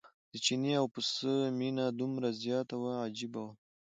د چیني او پسه مینه دومره زیاته وه عجیبه وه.